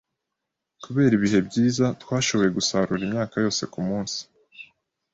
Kubera ibihe byiza, twashoboye gusarura imyaka yose kumunsi.